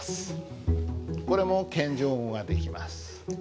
これも謙譲語ができます。